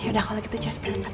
yaudah kalau gitu cus berantak